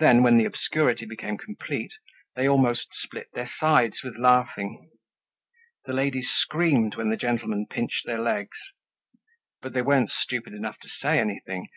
Then, when the obscurity became complete, they almost split their sides with laughing. The ladies screamed when the gentlemen pinched their legs. But they were weren't stupid enough to say anything!